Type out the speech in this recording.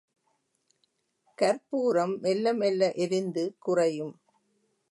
கர்ப்பூரம் மெல்ல மெல்ல எரிந்து குறையும்.